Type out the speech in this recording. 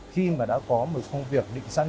khi mà đã có một công việc